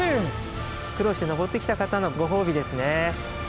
苦労して上ってきた方のごほうびですね。